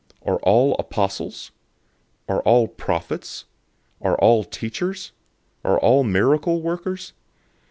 012:029 Are all apostles? Are all prophets? Are all teachers? Are all miracle workers?